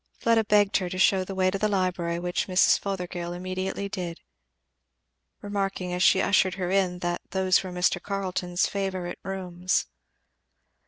Fleda begged her to show the way to the library, which Mrs. Fothergill immediately did, remarking as she ushered her in that "those were Mr. Carleton's favourite rooms."